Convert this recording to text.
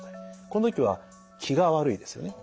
この時は気が悪いですよね。